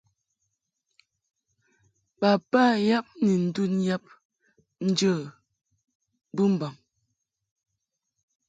Baba yab ni ndun yab njə bɨmbaŋ.